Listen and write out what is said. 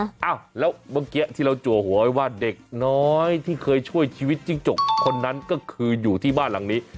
อ้าวแล้วเมื่อกี้ที่เราจัวหัวไว้ว่าเด็กน้อยที่เคยช่วยชีวิตจิ้งจกคนนั้นก็คืออยู่ที่บ้านหลังนี้